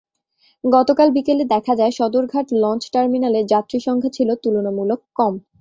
গতকাল বিকেলে দেখা যায়, সদরঘাট লঞ্চ টার্মিনালে যাত্রীর সংখ্যা ছিল তুলনামূলক কম।